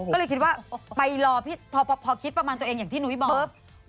ก็เลยคิดว่าไปรอพอคิดประมาณตัวเองอย่างที่นุ้ยบอก